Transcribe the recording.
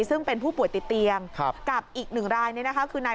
ซึ่งเป็นผู้ป่วยติดเตียงกับอีก๑รายนี้นะครับคือครับ